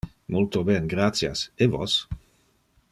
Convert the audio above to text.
Multo ben, gratias. E vos?